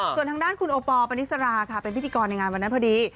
ส่วนทางด้านคุณโอปอลปณิสราค่ะเป็นพิธีกรในงานวันนั้นพอดี